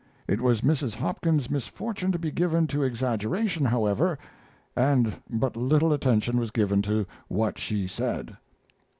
It was Mrs. Hopkins's misfortune to be given to exaggeration, however, and but little attention was given to what she said.